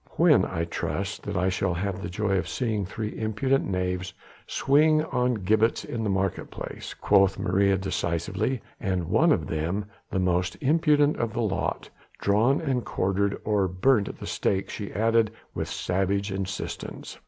"When, I trust, that I shall have the joy of seeing three impudent knaves swing on gibbets in the market place," quoth Maria decisively, "and one of them the most impudent of the lot drawn and quartered, or burnt at the stake!" she added with savage insistence.